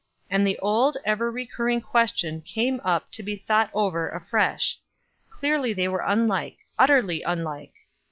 And the old ever recurring question came up to be thought over afresh. Clearly they were unlike utterly unlike.